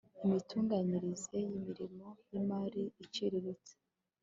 imitunganyirize y imirimo y imari iciriritse